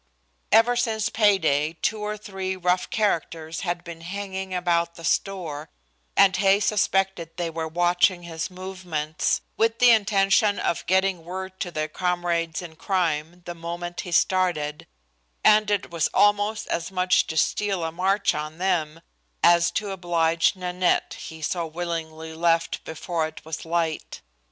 Ever since pay day two or three rough characters had been hanging about the store, and Hay suspected they were watching his movements, with the intention of getting word to their comrades in crime the moment he started, and it was almost as much to steal a march on them, as to oblige Nanette, he so willingly left before it was light.